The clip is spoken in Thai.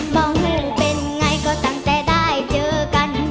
เรื่องเป็นไงก็ตั้งแต่ได้เจอกัน